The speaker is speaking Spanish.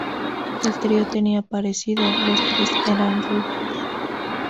El trío tenía parecido, los tres eran rubios.